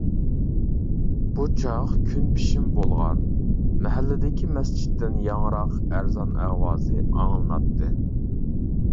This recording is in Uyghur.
بۇ چاغ كۈن پېشىم بولغان، مەھەللىدىكى مەسچىتتىن ياڭراق ئەرزان ئاۋازى ئاڭلىناتتى.